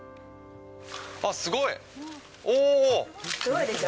あっ、すごい。すごいでしょ。